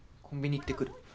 コンビニ行ってくる。